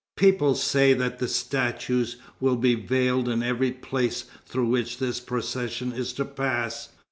People say that the statues will be veiled in every place through which this procession is to pass.